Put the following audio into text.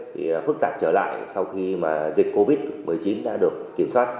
thì phức tạp trở lại sau khi mà dịch covid một mươi chín đã được kiểm soát